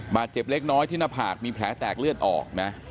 บาดเจ็บเล็กน้อยที่หน้าผากมีแผลแตกเลือดออกนะ